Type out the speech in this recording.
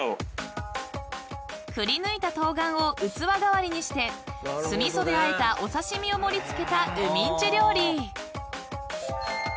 ［くりぬいた冬瓜を器代わりにして酢味噌であえたお刺し身を盛り付けた海人料理］